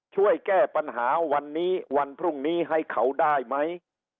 ช่วยแก้ปัญหาวันนี้วันพรุ่งนี้ให้เขาได้ไหม